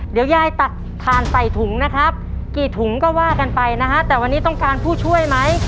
เดี๋ยวยายตักทานใส่ถุงนะครับกี่ถุงก็ว่ากันไปนะฮะแต่วันนี้ต้องการผู้ช่วยไหม